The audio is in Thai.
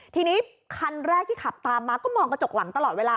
ทีนี้คันแรกที่ขับตามมาก็มองกระจกหลังตลอดเวลา